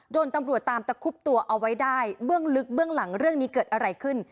โดนตำรวจตามตะคุบตัวเอาไว้ได้เบื้องลึกเบื้องหลังเรื่องนี้เกิดอะไรขึ้น